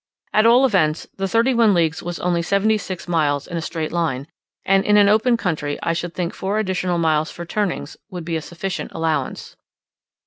At all events, the thirty one leagues was only 76 miles in a straight line, and in an open country I should think four additional miles for turnings would be a sufficient allowance.